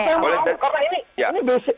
siapa yang mau karena ini bca